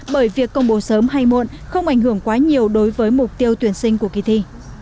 bởi việc công bố sớm hay muộn không ảnh hưởng quá nhiều đối với mục tiêu tuyển sinh của kỳ thi